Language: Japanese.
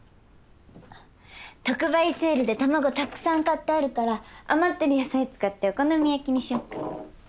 特売セールで卵たくさん買ってあるから余ってる野菜使ってお好み焼きにしようか。